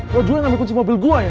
lu juga ngambil kunci mobil gue ya